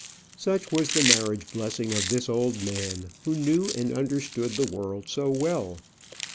Such was the marriage blessing of this old man, who knew and understood the world so well.